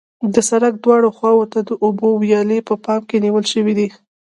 د سرک دواړو خواو ته د اوبو ویالې په پام کې نیول شوې دي